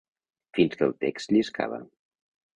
Fins que el text lliscava.